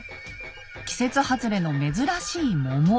「季節外れの珍しい桃」